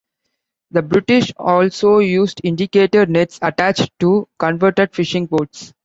The British also used indicator nets attached to converted fishing boats.